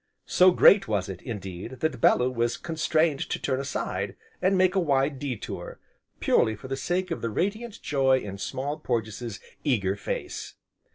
So great was it, indeed, that Bellew was constrained to turn aside, and make a wide detour, purely for the sake of the radiant joy in Small Porges' eager face.